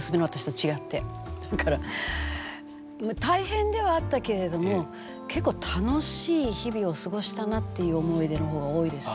だから大変ではあったけれども結構楽しい日々を過ごしたなっていう思い出の方が多いですね。